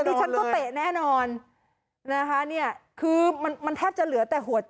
ดิฉันก็เตะแน่นอนนะคะเนี่ยคือมันมันแทบจะเหลือแต่หัวใจ